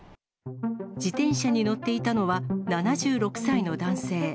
自転車に乗っていたのは７６歳の男性。